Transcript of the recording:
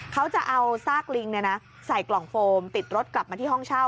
เขาจะเอาซากลิงใส่กล่องโฟมติดรถกลับมาที่ห้องเช่า